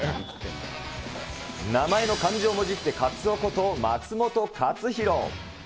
名前の漢字をもじってカツオこと松元克央。